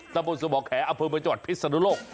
นับบนสมบัติแขนอเภอบริจาวันพิศนลก